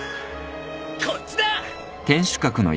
こっちだ！